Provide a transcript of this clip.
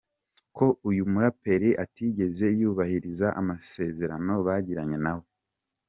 ko uyu muraperi atigeze yubahiriza amasezerano bagiranye na we.